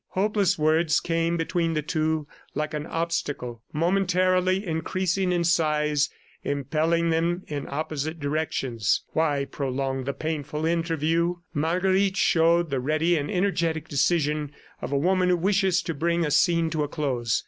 Hopeless words came between the two like an obstacle momentarily increasing in size, impelling them in opposite directions. Why prolong the painful interview? ... Marguerite showed the ready and energetic decision of a woman who wishes to bring a scene to a close.